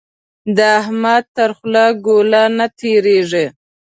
د احمد تر خوله ګوله نه تېرېږي.